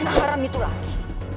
mana haram itu lagi